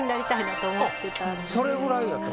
あっそれぐらいやと。